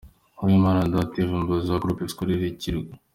Uwimana Dathive, Umuyobozi wa Groupe Scolaire Kirwa.